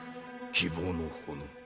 「希望の炎」